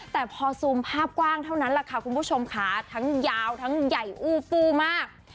แต่พอซูมภาพกว้างเท่านั้นแหละค่ะคุณผู้ชมค่ะทั้งยาวทั้งใหญ่อู้ฟู้มาก